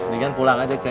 selegan pulang aja cek